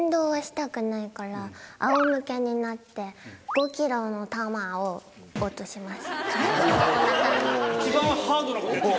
あおむけになって５ｋｇの球を落とします。